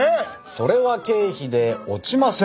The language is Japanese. それは経費で落ちません。